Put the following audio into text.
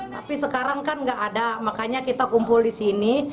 tapi sekarang kan gak ada makanya kita kumpul disini